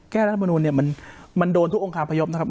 แก้รัฐมนุนมันโดนทุกองค์คาพยพนะครับ